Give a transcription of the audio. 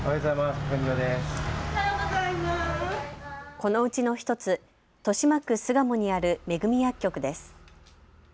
このうちの１つ、豊島区巣鴨にあるめぐみ薬局です。